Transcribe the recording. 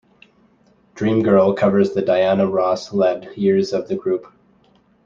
"Dreamgirl" covers the Diana Ross-led years of the group.